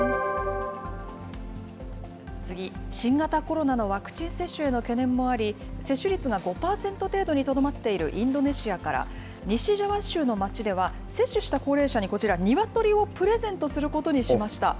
次、新型コロナのワクチン接種への懸念もあり、接種率が５％程度にとどまっているインドネシアから、西ジャワ州の町では、接種した高齢者にこちら、ニワトリをプレゼントすることにしました。